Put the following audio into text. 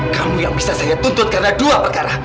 kamu yang bisa saya tuntut karena dua perkara